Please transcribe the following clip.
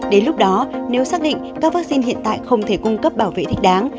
đến lúc đó nếu xác định các vaccine hiện tại không thể cung cấp bảo vệ thích đáng